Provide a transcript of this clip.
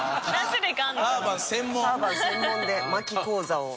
専門で巻き講座を。